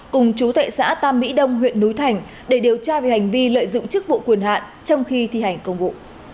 cùng chú thệ xã tam mỹ đông huyện núi thành để điều tra về hành vi lợi dụng chức vụ quyền hạn trong khi thi hành công vụ